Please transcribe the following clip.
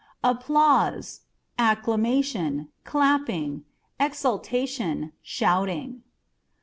Applause â€" acclamation, clapping, exultation, shouting.